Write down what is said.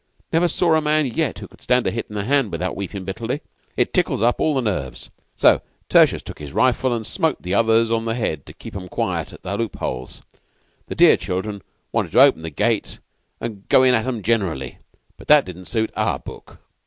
'Never saw a man yet who could stand a hit in the hand without weepin' bitterly. It tickles up all the nerves. So Tertius took his rifle and smote the others on the head to keep them quiet at the loopholes. The dear children wanted to open the gate and go in at 'em generally, but that didn't suit our book.